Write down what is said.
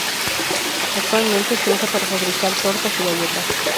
Actualmente se usa para fabricar tortas y galletas.